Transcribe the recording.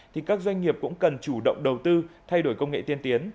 thì các doanh nghiệp cũng cần chủ động đầu tư thay đổi công nghệ tiên tiến